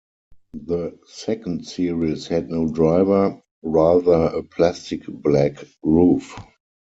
The second series had no driver, rather a plastic black roof.